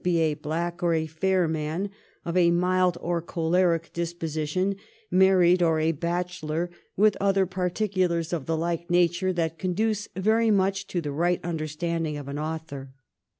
167 be a black or a fair man, of a mild or choleric disposition, married or a bachelor, with other par ticulars of the like nature that conduce very much to the right understanding of an author.'